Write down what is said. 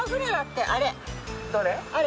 どれ？